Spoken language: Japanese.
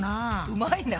うまいな。